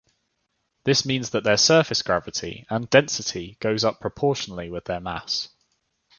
This means that their surface gravity and density goes up proportionally with their mass.